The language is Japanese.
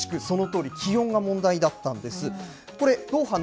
そう、まさしくそのとおり、気温が問題だったんです。